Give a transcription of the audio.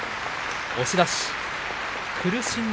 押し出し。